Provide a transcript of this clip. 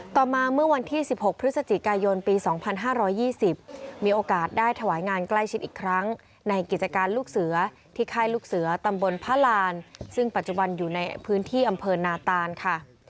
ต่อมาเมื่อวันที่๑๖พฤศจิกายนปี๒๕๒๐มีโอกาสได้ถวายงานใกล้ชิดอีกครั้งในกิจการลูกเสือที่ค่ายลูกเสือตำบลพระรานซึ่งปัจจุบันอยู่ในพื้นที่อำเภอนาตานค่ะ